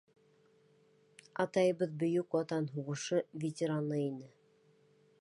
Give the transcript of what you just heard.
Атайыбыҙ Бөйөк Ватан һуғышы ветераны ине.